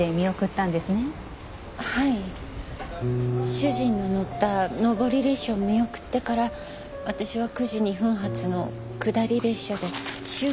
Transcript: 主人の乗った上り列車を見送ってから私は９時２分発の下り列車で終点の久慈駅まで行きました。